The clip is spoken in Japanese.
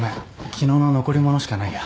昨日の残り物しかないや。